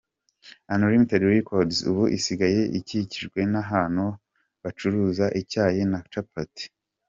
Unlimited records ubu isigaye ikikijwe n'ahantu bacuruza icyayi na capati .